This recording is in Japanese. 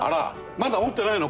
まだ持ってないの？